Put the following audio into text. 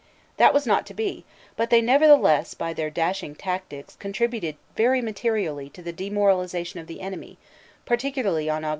That was not to be, but they nevertheless by their dashing tactics contributed very materially to the demoralization of the enemy, partic ularly on Aug.